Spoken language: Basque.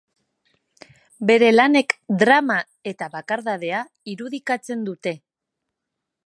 Bere lanek drama eta bakardadea irudikatzen dute.